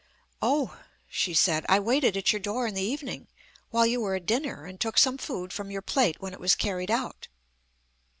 "Oh," she said, "I waited at your door in the evening, while you were at dinner, and took some food from your plate when it was carried out."